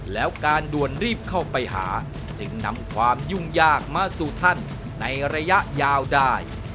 แล้วการด่วนรีบเข้าไปหาจึงนำความยุ่งยากมาสู่ท่านในระยะยาวได้